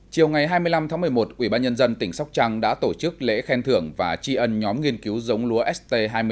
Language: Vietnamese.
chiều ngày hai mươi năm tháng một mươi một ủy ban nhân dân tỉnh sóc trăng đã tổ chức lễ khen thưởng và tri ân nhóm nghiên cứu giống lúa st hai mươi năm